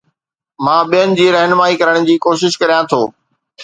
مان ٻين جي رهنمائي ڪرڻ جي ڪوشش ڪريان ٿو